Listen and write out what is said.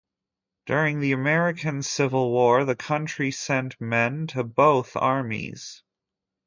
During the American Civil War, the county sent men to both armies.